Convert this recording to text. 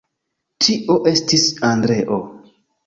Tio estis Andreo.